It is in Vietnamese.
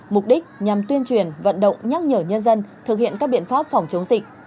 mục đích nhằm tuyên truyền vận động nhắc nhở nhân dân thực hiện các biện pháp phòng chống dịch